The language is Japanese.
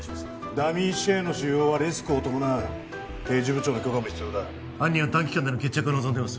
ダミー紙幣の使用はリスクを伴う刑事部長の許可も必要だ犯人は短期間での決着を望んでます